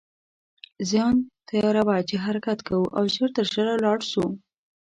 ځان تیاروه چې حرکت کوو او ژر تر ژره لاړ شو.